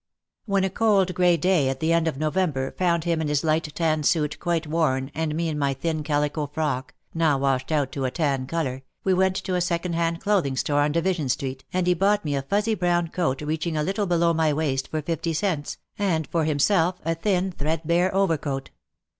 When a cold grey day at the end of November found him in his light tan suit quite worn and me in my thin calico frock, now washed out to a tan colour, we went to a second hand clothing store on Division Street and he bought me a fuzzy brown coat reaching a little below my waist, for fifty cents, and for himself a thin thread bare overcoat.